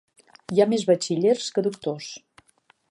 Hi ha més batxillers que doctors.